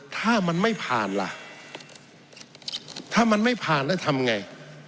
ถ้ามันไม่ผ่านล่ะถ้ามันไม่ผ่านแล้วทำไง